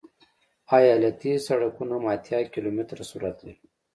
ایالتي سرکونه هم اتیا کیلومتره سرعت لري